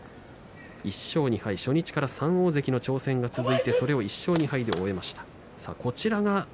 １勝２敗、初日から３大関の挑戦が続いて１勝２敗で終えました。